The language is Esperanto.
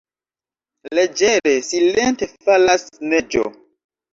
Leĝere, silente falas neĝo.